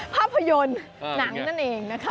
ภาพยนตร์หนังนั่นเองนะคะ